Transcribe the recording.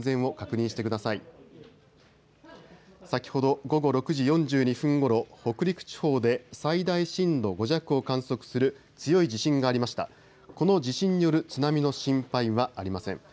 先ほど午後６時４２分ごろ北陸地方で最大震度５弱を観測する強い地震がありました。